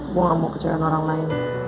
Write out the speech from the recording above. gue gak mau kejadian orang lain